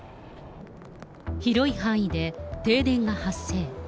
広い範囲で停電が発生。